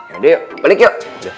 yaudah yuk balik yuk yaudah yaudah